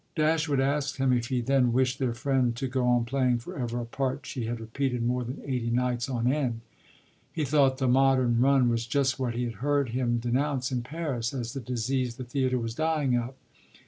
Dashwood asked him if he then wished their friend to go on playing for ever a part she had repeated more than eighty nights on end: he thought the modern "run" was just what he had heard him denounce in Paris as the disease the theatre was dying of.